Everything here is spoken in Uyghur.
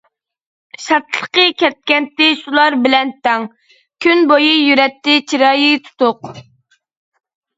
شادلىقى كەتكەنتى شۇلار بىلەن تەڭ، كۈنبويى يۈرەتتى چىرايى تۇتۇق.